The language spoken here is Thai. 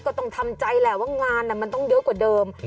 ก็ต้องทำใจแหละว่างานมันต้องเยอะกว่าเดิม